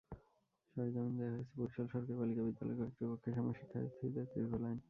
সরেজমিনে দেখা গেছে, বরিশাল সরকারি বালিকা বিদ্যালয়ের কয়েকটি কক্ষের সামনে শিক্ষার্থীদের দীর্ঘ লাইন।